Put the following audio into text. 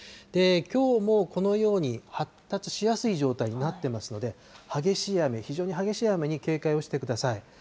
きょうもこのように、発達しやすい状態になってますので、激しい雨、非常に激しい雨に警戒をしてください。